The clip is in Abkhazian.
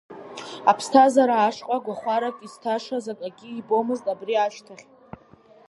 Аԥсҭазаара ашҟа гәахәарак изҭашаз акагьы ибомызт абри ашьҭахь.